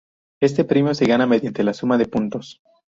Este premio se gana mediante la suma de puntos.